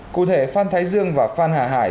cụ thể phan thái dương và phan hà hải